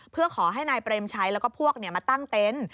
เพื่อขอให้นายเปรมชัยแล้วก็พวกมาตั้งเต็นต์